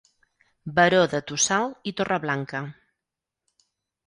Baró de Tossal i Torreblanca.